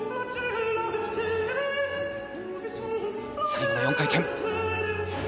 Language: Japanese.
最後も４回転。